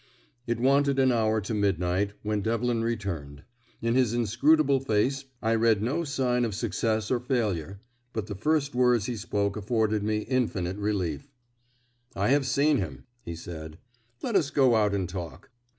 It wanted an hour to midnight when Devlin returned. In his inscrutable face I read no sign of success or failure; but the first words he spoke afforded me infinite relief. "I have seen him," he said. "Let us go out and talk.